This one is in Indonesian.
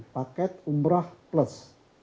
paket umroh plus